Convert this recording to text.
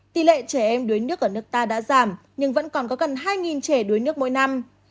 tỷ lệ trẻ em đuối nước ở nước ta đã giảm nhưng vẫn còn có gần hai trẻ đuối nước mỗi năm